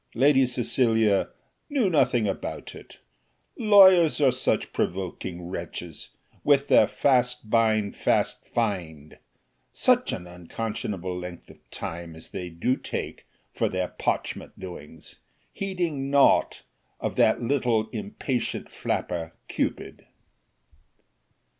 Lady Cecilia "knew nothing about it. Lawyers are such provoking wretches, with their fast bind fast find. Such an unconscionable length of time as they do take for their parchment doings, heeding nought of that little impatient flapper Cupid."